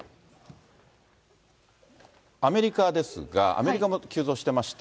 アメリカですが、アメリカも急増してまして。